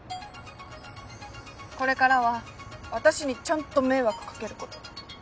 これからは私にちゃんと迷惑かけること。